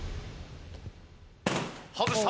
外した。